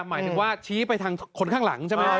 หมายถึงว่าชี้ไปทางคนข้างหลังใช่ไหมครับ